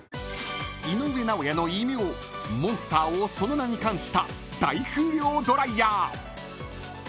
［井上尚弥の異名モンスターをその名に冠した大風量ドライヤー］